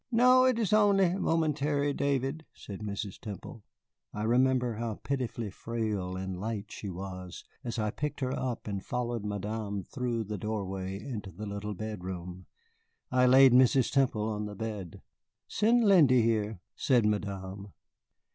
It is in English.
"No, it is only momentary, David," said Mrs. Temple. I remember how pitifully frail and light she was as I picked her up and followed Madame through the doorway into the little bedroom. I laid Mrs. Temple on the bed. "Send Lindy here," said Madame.